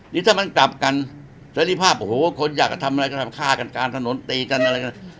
นี่ถ้ามันกลับกันเสร็จภาพโอ้โหคนอยากจะทำอะไรก็ทำฆ่ากันกลางถนนตีกันอะไรกัน